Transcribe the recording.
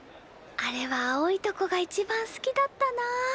あれは青いとこが一番好きだったなあ。